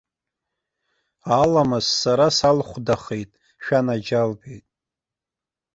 Аламыс сара салхәдахеит, шәанаџьалбеит!